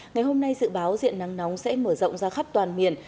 ngày hôm nay dự báo diện nắng nóng sẽ mở rộng ra khắp toàn miền